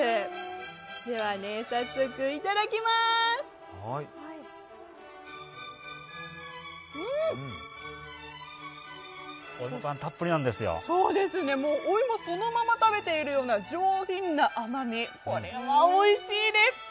うまみたっぷりなんですよお芋をそのまま食べているような上品な甘み、これはおいしいです。